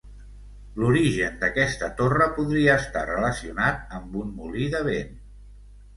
L'origen d'aquesta torre podria estar relacionat amb un molí de vent.